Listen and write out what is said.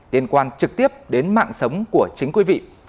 liên quan trực tiếp đến mạng sống của chính quý vị